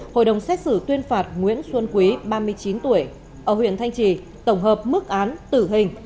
hội đồng xét xử tuyên phạt nguyễn xuân quý ba mươi chín tuổi ở huyện thanh trì tổng hợp mức án tử hình